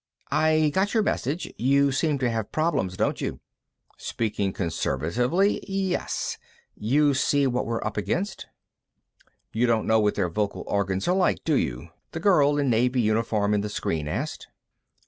"I got your message; you seem to have problems, don't you?" "Speaking conservatively, yes. You see what we're up against?" "You don't know what their vocal organs are like, do you?" the girl in naval uniform in the screen asked.